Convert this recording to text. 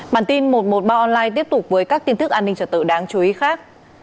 bản tin một trăm một mươi ba online tiếp tục với các tin tức an ninh trật tự đáng chú ý khác